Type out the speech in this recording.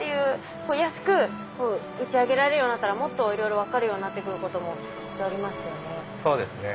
安く打ち上げられるようになったらもっといろいろ分かるようになってくることもきっとありますよね。